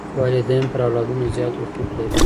والدین پر اولادونو زیات حقوق لري.